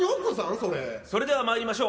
そそれではまいりましょう。